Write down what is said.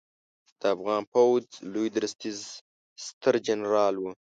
د افغان پوځ لوی درستیز سترجنرال و